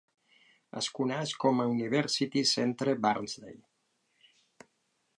Es coneix com a University Centre Barnsley.